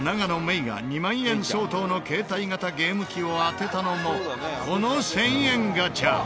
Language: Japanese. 郁が２万円相当の携帯型ゲーム機を当てたのもこの１０００円ガチャ。